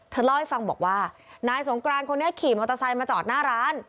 เล่าให้ฟังบอกว่านายสงกรานคนนี้ขี่มอเตอร์ไซค์มาจอดหน้าร้าน